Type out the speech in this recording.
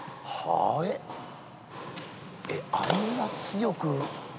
えっ、あんな強く？